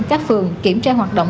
các phường kiểm tra hoạt động